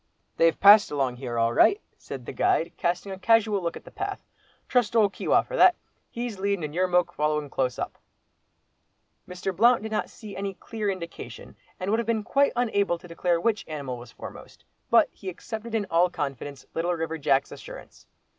"They've passed along here all right," said the guide, casting a casual look at the path; "trust old Keewah for that, he's leadin' and your moke following close up." Mr. Blount did not see any clear indication, and would have been quite unable to declare which animal was foremost. But he accepted in all confidence Little River Jack's assurance.